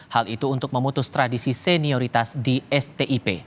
hal itu untuk memutus tradisi senioritas di stip